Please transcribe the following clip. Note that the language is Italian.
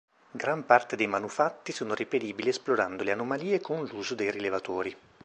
Gran parte dei manufatti sono reperibili esplorando le anomalie con l'uso dei rilevatori.